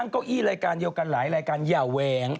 เก้าอี้รายการเดียวกันหลายรายการอย่าแหวง